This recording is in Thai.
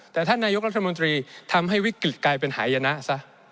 แต่ท่านนายกรัฐมนตรีทำให้วิกฤตกลายเป็นหายนะซะ